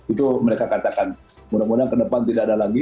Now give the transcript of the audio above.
itu mereka katakan mudah mudahan ke depan tidak ada lagi